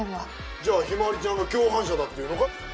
じゃあ陽葵ちゃんが共犯者だっていうのか？